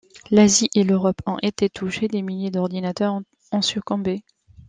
L’Asie et l’Europe ont été touchées, des milliers d’ordinateurs ont succombé.